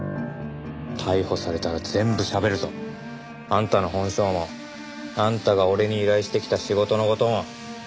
逮捕されたら全部しゃべるぞ。あんたの本性もあんたが俺に依頼してきた仕事の事も。